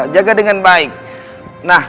jaga dengan baik nah